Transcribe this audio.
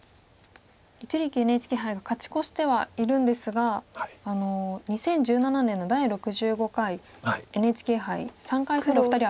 一力ＮＨＫ杯が勝ち越してはいるんですが２０１７年の第６５回ＮＨＫ杯３回戦で。